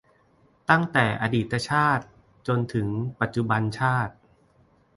ตั้งแต่อดีตชาติจนถึงปัจจุบันชาติ